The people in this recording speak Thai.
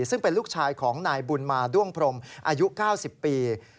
ซึ่งเป็นลูกชายของนายบุญมาด้วงพรมอายุ๙๐ปี